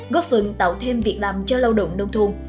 góp phần tạo thêm việc làm cho lao động nông thôn